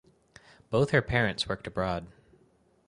Both her parents worked abroad.